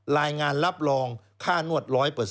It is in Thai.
รายงานรับรองค่านวด๑๐๐